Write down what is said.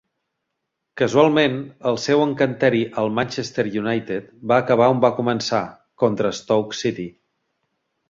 Casualment, el seu encanteri al Manchester United va acabar on va començar, contra Stoke City.